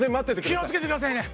気を付けてくださいね。